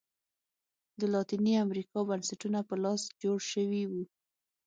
د لاتینې امریکا بنسټونه په لاس جوړ شوي وو.